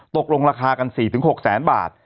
ตกลงราคากัน๔๖แสนบาท